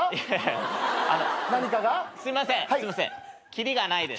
切りがないです。